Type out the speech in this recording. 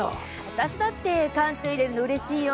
私だってカンチといれるのうれしいよ！